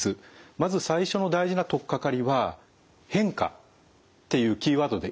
まず最初の大事な取っかかりは「変化」っていうキーワードでいいと思うんですね。